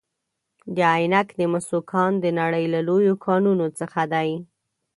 د عینک د مسو کان د نړۍ له لویو کانونو څخه دی.